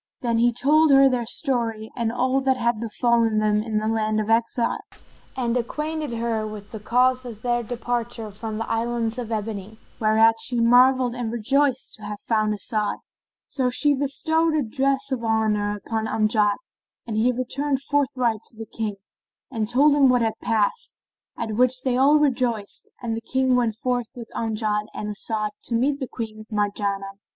Then he told her their story and all that had befallen them in the land of exile, and acquainted her with the cause of their departure from the Islands of Ebony, whereat she marvelled and rejoiced to have found As'ad. So she bestowed a dress of honour upon Amjad and he returned forthright to the King and told him what had passed, at which they all rejoiced and the King went forth with Amjad and As'ad to meet Queen Marjanah.